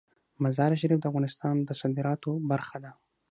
مزارشریف د افغانستان د صادراتو برخه ده.